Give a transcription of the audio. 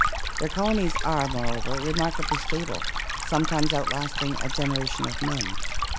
Their colonies are, moreover, remarkably stable, sometimes outlasting a generation of men.